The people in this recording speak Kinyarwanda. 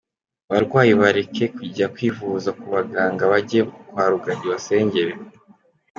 Abarwayi bareke kujya kwivuza ku baganga bajye kwa Rugagi abasengere?.